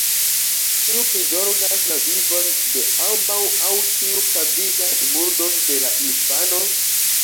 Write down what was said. Kiu prizorgas la vivon de ambaŭ aŭ kiu pravigas murdon de la infano?